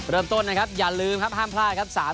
เริ่มต้นนะครับอย่าลืมครับห้ามพลาดครับ